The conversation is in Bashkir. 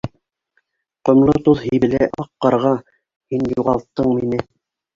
Ҡомло тоҙ һибелә аҡ ҡарға, Һин юғалттың мине...